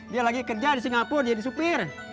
dia lagi kerja di singapura jadi supir